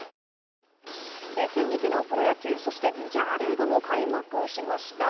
ついに昨日、プロ野球そしてメジャーリーグも開幕しました。